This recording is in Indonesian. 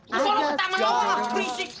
kalo lu ke taman awal lu berisik